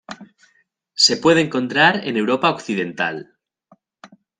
Se puede encontrar en Europa occidental.